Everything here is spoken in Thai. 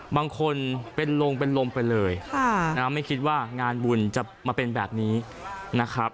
บางคนเป็นลงเป็นลมไปเลยไม่คิดว่างานบุญจะมาเป็นแบบนี้นะครับ